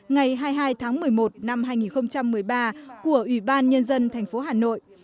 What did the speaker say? ngày hai mươi hai tháng một mươi một năm hai nghìn một mươi ba của ubnd tp hà nội